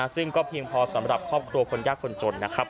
ซึ่งก็เพียงพอสำหรับครอบครัวคนยากคนจนนะครับ